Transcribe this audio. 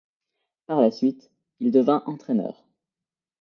Par la suite, il devint entraîneur.